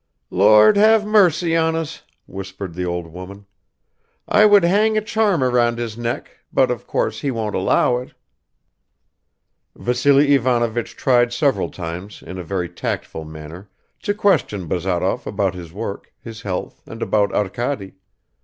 "Lord have mercy on us!" whispered the old woman. "I would hang a charm round his neck, but of course he won't allow it." Vassily Ivanovich tried several times in a very tactful manner to question Bazarov about his work, his health, and about Arkady